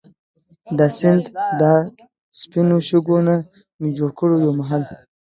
دا سیند دا سپينو شګو نه مي جوړ کړو يو محل